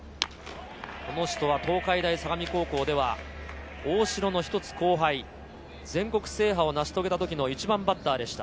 この人は東海大相模高校では大城の１つ後輩、全国制覇を成し遂げたときの１番バッターでした。